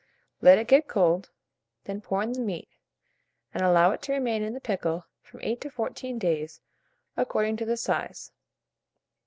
Let it get cold, then put in the meat, and allow it to remain in the pickle from 8 to 14 days, according to the size.